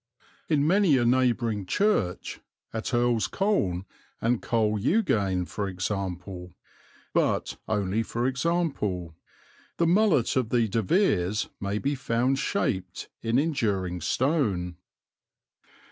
In many a neighbouring church, at Earl's Colne and Cole Eugaine, for example, but only for example, the mullet of the De Veres may be found shaped in enduring stone.